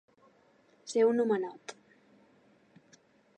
Ser un homenot.